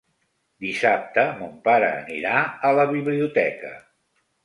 Dissabte mon pare anirà a la biblioteca.